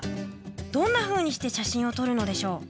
どんなふうにして写真を撮るのでしょう。